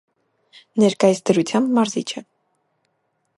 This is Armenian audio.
Ներկայիս դրությամբ մարզիչ է։